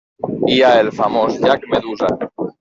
Hi ha el famós llac Medusa.